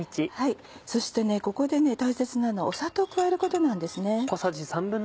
そしてここで大切なのは砂糖加えることなんですね。